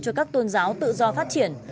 cho các tôn giáo tự do phát triển